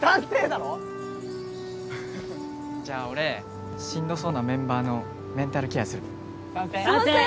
だろじゃあ俺しんどそうなメンバーのメンタルケアする賛成！